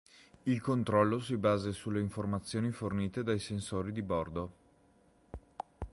Il controllo si basa sulle informazioni fornite dai sensori di bordo.